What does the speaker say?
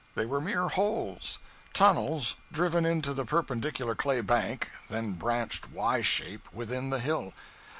They were mere holes, tunnels, driven into the perpendicular clay bank, then branched Y shape, within the hill.